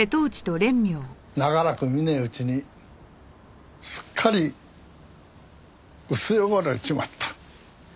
長らく見ねえうちにすっかり薄汚れちまった。